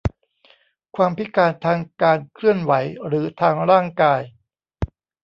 ความพิการทางการเคลื่อนไหวหรือทางร่างกาย